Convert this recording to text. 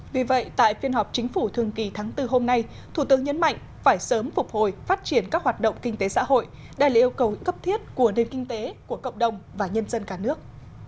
vì vậy tại phiên họp chính phủ thường kỳ tháng bốn hôm nay thủ tướng nhấn mạnh phải sớm phục hồi phát triển các hoạt động kinh tế xã hội đây là yêu cầu cấp thiết của nền kinh tế của cộng đồng và nhân dân cả nước